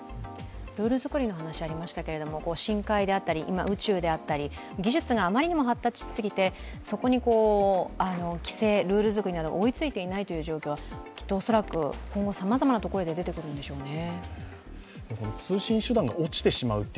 ルール作りの話ありましたけど深海であったり宇宙であったり技術があまりにも発達しすぎてそこに規制、ルール作りなどが追いついていないという状況は、恐らく今後さまざまなところで出てしまうんでしょうね。